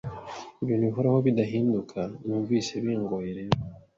ibintu bihoraho bidahinduka, numvise bingoye rero